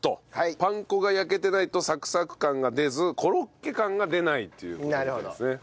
パン粉が焼けてないとサクサク感が出ずコロッケ感が出ないという事みたいですね。